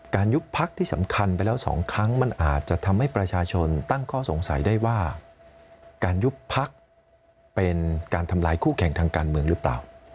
ยุบพักที่สำคัญไปแล้ว๒ครั้งมันอาจจะทำให้ประชาชนตั้งข้อสงสัยได้ว่าการยุบพักเป็นการทำลายคู่แข่งทางการเมืองหรือเปล่า